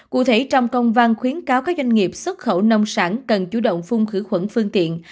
cụ thể trong công văn khuyến cáo các doanh nghiệp xuất khẩu nông sản cần chủ động phun khử khuẩn phương tiện